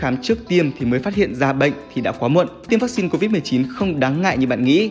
muộn tiêm vaccine covid một mươi chín không đáng ngại như bạn nghĩ